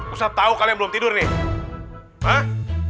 ustad tau kalian belum tidur nih